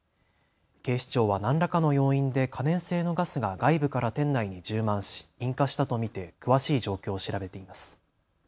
警視庁は何らかの要因で可燃性のガスが外部から店内に充満し引火したと見て詳しい状況を調べています。